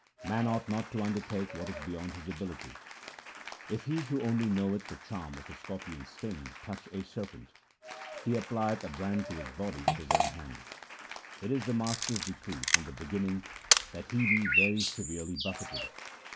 Man ought not to undertake what is beyond his ability :— If he who only knoweth the charm for a scorpion's sting touch a serpent, He applieth a brand to his body with his own hand ; It is the Master's decree from the beginning that he be very severely buffeted.